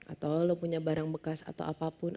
atau lo punya barang bekas atau apapun